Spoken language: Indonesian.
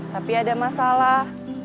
tapi ada masalah